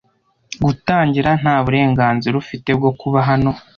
Gutangira, nta burenganzira ufite bwo kuba hano.